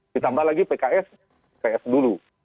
ditambah lagi pks ps dulu